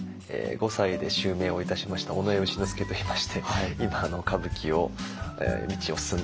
５歳で襲名をいたしました尾上丑之助といいまして今歌舞伎の道を進んでおります。